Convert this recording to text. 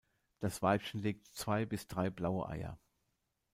Das Weibchen legt zwei bis drei blaue Eier.